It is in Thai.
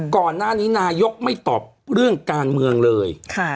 ก่อนหน้านี้นายกไม่ตอบเรื่องการเมืองเลย